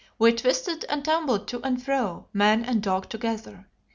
We twisted and tumbled to and fro, man and dog together.